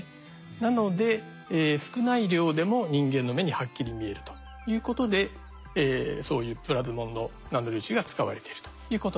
なので少ない量でも人間の目にはっきり見えるということでそういうプラズモンのナノ粒子が使われてるということなんですね。